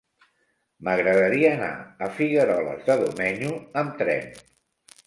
M'agradaria anar a Figueroles de Domenyo amb tren.